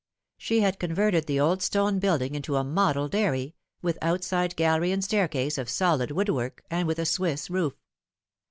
She had converted the old stone building into a model dairy, with outside gallery and staircase of solid woodwork, and with a Swiss roof.